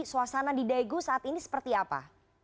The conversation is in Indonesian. suasana di daegu saat ini seperti apa